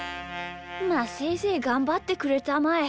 まあせいぜいがんばってくれたまえ。